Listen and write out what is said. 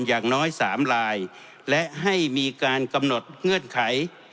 อย่างน้อย๓ลายและให้มีการกำหนดเงื่อนไข